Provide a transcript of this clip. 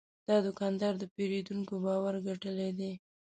دا دوکاندار د پیرودونکو باور ګټلی دی.